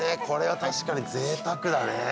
これは確かにぜいたくだね。